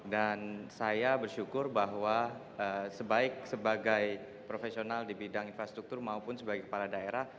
dan saya bersyukur bahwa sebaik sebagai profesional di bidang infrastruktur maupun sebagai kepala daerah